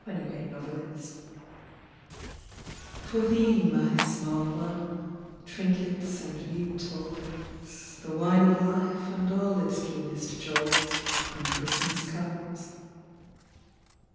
WHEN CHRISTMAS COMES For thee, my small one trinkets and new toys, The wine of life and all its keenest joys, When Christmas comes.